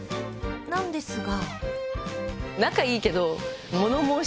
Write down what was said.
なんですが。